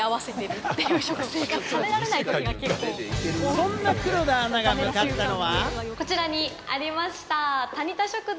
そんな黒田アナが向かったのは。